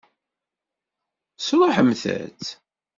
Tesṛuḥemt-tt?